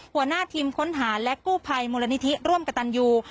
หัวหน้าทีมค้นหาและกู้ภัยมูลนิธิร่วมกับตันยู